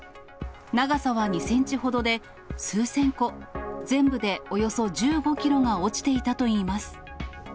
長さは２センチほどで、数千個、全部でおよそ１５キロが落ちていたといいます。